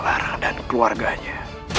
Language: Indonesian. bukalah radaan keluarganya